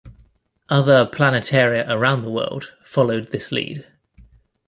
Other planetaria around the world followed this lead.